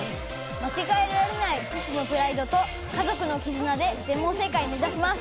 間違えられない父のプライドと、家族の絆で全問正解を目指します。